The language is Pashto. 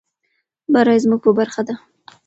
بري زموږ په برخه ده.